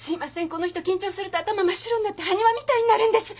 この人緊張すると頭真っ白になって埴輪みたいになるんです。